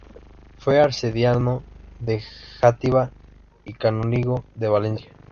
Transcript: Fue arcediano de Játiva y canónigo de Valencia.